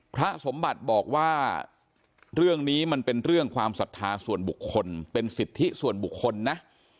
พระสมบัติบอกว่าเรื่องนี้มันเป็นเรื่องความศรัทธาส่วนบุคคลเป็นสิทธิส่วนบุคคลนะ